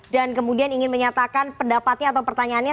dan kemudian ingin menyatakan pendapatnya atau pertanyaannya